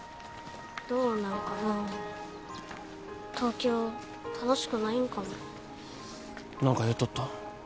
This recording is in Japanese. どうなんかな東京楽しくないんかも何か言っとった？